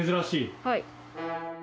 はい。